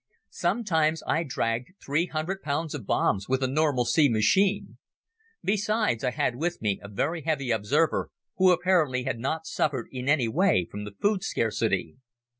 Sometimes I dragged three hundred pounds of bombs with a normal C machine. Besides, I had with me a very heavy observer who apparently had not suffered in any way from the food scarcity.